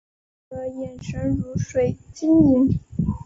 你的眼神如水晶莹